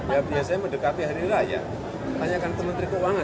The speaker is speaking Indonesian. ya biasanya mendekati hari raya tanyakan ke menteri keuangan